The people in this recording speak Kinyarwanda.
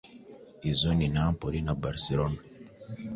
Izo ni Napoli na Barcelona,